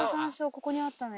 ここにあったね。